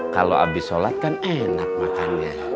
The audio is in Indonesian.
kalau habis sholat kan enak makannya